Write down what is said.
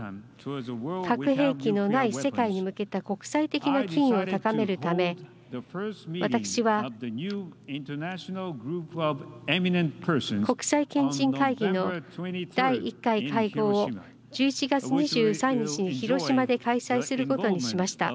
核兵器のない世界に向けた国際的な機運を高めるため私は国際賢人会議の第１回会合を１１月２３日に広島で開催することにしました。